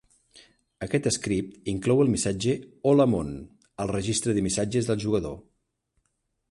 Aquest script inclou el missatge "Hola, món." al registre de missatges del jugador.